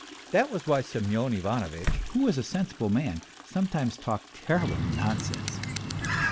That was why Semyon Ivanovitch, who was a sensible man, sometimes talked terrible nonsense.